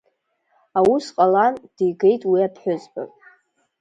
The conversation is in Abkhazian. Аус ҟалан, дигеит уи аԥҳәызба.